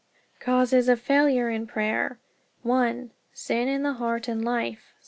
Causes of Failure in Prayer 1. Sin in the heart and life. Psa.